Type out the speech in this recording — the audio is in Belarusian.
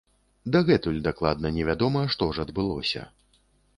Дагэтуль дакладна невядома, што ж адбылося.